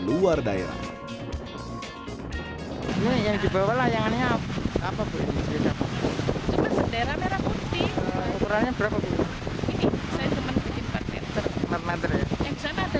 luar daerah yang dibawa layangannya apa apa berbeda beda berhenti ukurannya berapa ini